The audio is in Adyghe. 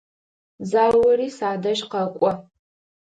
Заури садэжь къэкӏо.